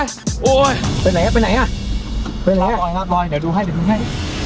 โอ้ยไปไหนไปไหนอ่ะไปไหนอ่ะราบรอยราบรอยเดี๋ยวดูให้เดี๋ยวดูให้